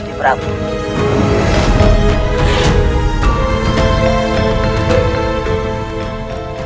sekarang berubahlah jadi rana santa